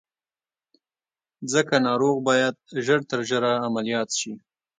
ځکه ناروغ بايد ژر تر ژره عمليات شي.